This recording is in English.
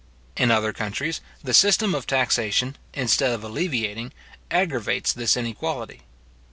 In other countries, the system of taxation, instead of alleviating, aggravates this inequality.